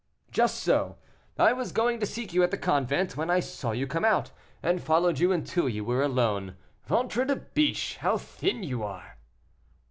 "Just so; I was going to seek you at the convent, when I saw you come out, and followed you until we were alone. Ventre de biche! how thin you are!"